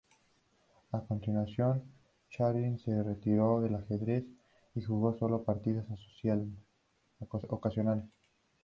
A continuación, Chardin se retiró del ajedrez y jugó sólo partidas ocasionales.